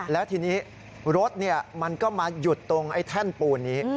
แล้วทีนี้รถมันก็มาหยุดตรงไอ้แท่นปูนนี้